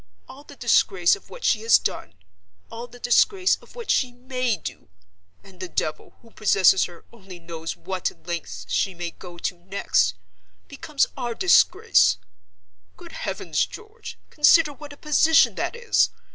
All the disgrace of what she has done; all the disgrace of what she may do—and the Devil, who possesses her, only knows what lengths she may go to next—becomes our disgrace. Good heavens, George, consider what a position that is!